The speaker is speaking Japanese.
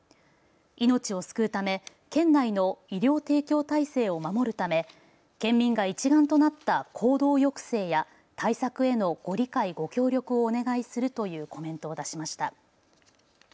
命を救うため県内の医療提供体制を守るため県民が一丸となった行動抑制や対策へのご理解、ご協力をお願いするというコメントを出しました。